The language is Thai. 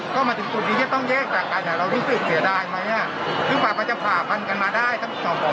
ก็มันถึงสุดที่จะต้องเลี้ยงจากกันแล้วรู้สึกเสียดายไหมฝ่าวัชภาพมันกันมาได้ถ้ามีกว่าพวกคน